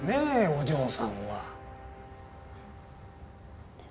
お嬢さんは。